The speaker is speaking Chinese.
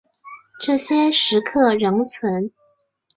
这些石刻仍存。